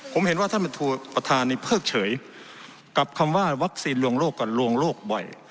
ผมเห็นว่าท่านประธานนี้เพิกเฉยกับคำว่าวัคซีนลวงโลกกับลวงโลกบ่อย